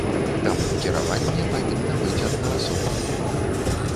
Таму кіраванне павінна быць аднаасобнае.